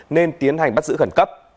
nên tiến hành bắt giữ khẩn cấp